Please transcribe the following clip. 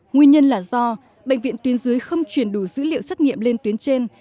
nguyên nhân là do bệnh viện tuyến dưới không chuyển đủ dữ liệu xét nghiệm lên tuyến trên